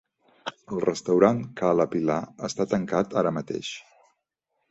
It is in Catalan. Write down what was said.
El restaurant Ca La Pilar està tancat ara mateix.